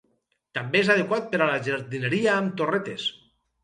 També és adequat per a la jardineria amb torretes.